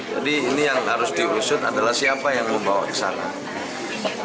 jadi ini yang harus diusut adalah siapa yang membawa ke sana